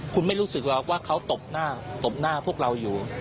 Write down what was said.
คุณไม่รู้สึกหรอกว่าเขาตบหน้าตบหน้าพวกเราอยู่